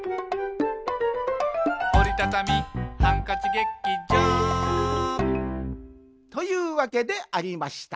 「おりたたみハンカチ劇場」というわけでありました